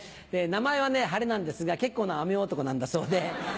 名前は晴れなんですが結構な雨男なんだそうで。